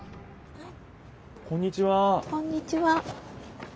はい。